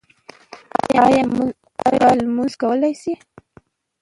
ایا لمونځ کولی شئ؟